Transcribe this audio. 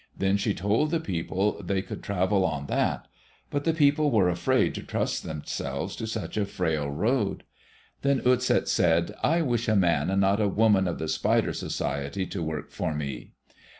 Then she told the people they could travel on that. But the people were afraid to trust themselves to such a frail road. Then Utset said, "I wish a man and not a woman of the Spider society to work for me."